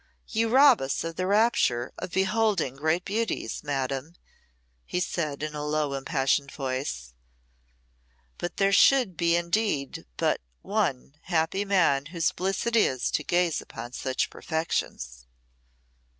"You rob us of the rapture of beholding great beauties, Madam," he said in a low, impassioned voice. "But there should be indeed but one happy man whose bliss it is to gaze upon such perfections."